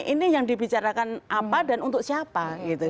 ini yang dibicarakan apa dan untuk siapa